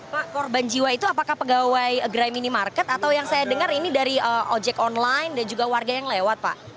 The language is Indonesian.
pak korban jiwa itu apakah pegawai gerai minimarket atau yang saya dengar ini dari ojek online dan juga warga yang lewat pak